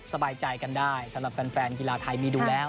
สบายใจกันได้สำหรับแฟนกีฬาไทยมีดูแล้ว